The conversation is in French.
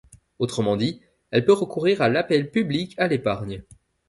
Autrement dit, elle peut recourir à l'appel public à l'épargne.